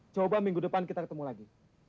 coba minggu depan kita ketemu lagi